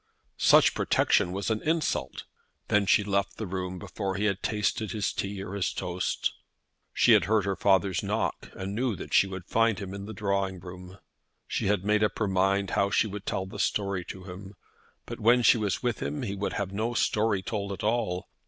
"Such protection was an insult." Then she left the room before he had tasted his tea or his toast. She had heard her father's knock, and knew that she would find him in the drawing room. She had made up her mind how she would tell the story to him; but when she was with him he would have no story told at all.